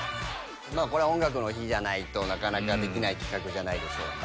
これは「音楽の日」じゃないとなかなかできない企画じゃないでしょうか。